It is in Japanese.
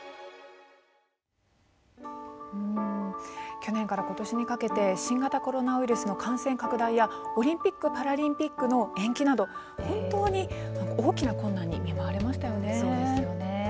去年からことしにかけて新型コロナウイルスの感染拡大やオリンピック・パラリンピックの延期など、本当に大きな困難にそうですよね。